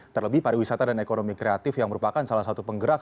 terlebih pariwisata dan ekonomi kreatif yang merupakan salah satu penggerak